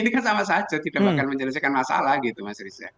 ini kan sama saja tidak akan menyelesaikan masalah gitu mas riza